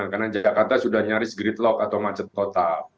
karena jakarta sudah nyaris gridlock atau macet total